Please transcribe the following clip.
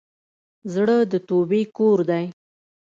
زړه د توبې کور دی.